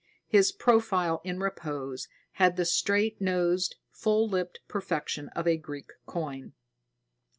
His profile in repose had the straight nosed, full lipped perfection of a Greek coin.